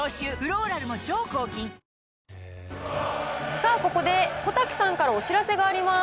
さあ、ここで小瀧さんからお知らせがあります。